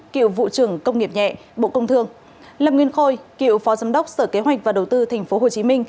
kiệu vụ trưởng công nghiệp nhẹ bộ công thương lâm nguyên khôi cựu phó giám đốc sở kế hoạch và đầu tư tp hcm